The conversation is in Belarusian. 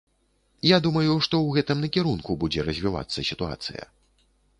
Я думаю, што ў гэтым накірунку будзе развівацца сітуацыя.